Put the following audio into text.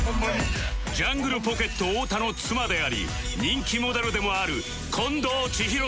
ジャングルポケット太田の妻であり人気モデルでもある近藤千尋さん